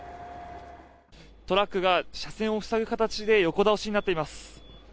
トラックが車線を塞ぐ形で横倒しになっています。